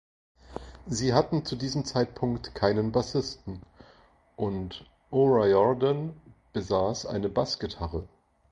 Sie hatten zu diesem Zeitpunkt keinen Bassisten, und O’Riordan besaß eine Bassgitarre.